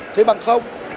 thuê bằng không